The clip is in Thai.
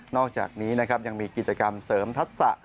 อกจากนี้นะครับยังมีกิจกรรมเสริมทักษะ